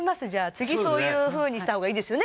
次そういうふうにしたほうがいいですよね？